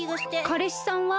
かれしさんは？